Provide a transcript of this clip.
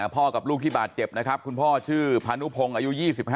กับลูกที่บาดเจ็บนะครับคุณพ่อชื่อพานุพงศ์อายุ๒๕